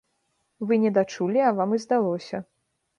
Вы не дачулі, а вам і здалося.